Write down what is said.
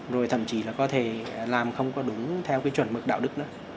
rồi thậm chí là có thể làm không có đúng theo cái chuẩn mực đạo đức nữa